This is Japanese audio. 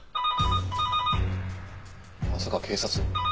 まさか警察。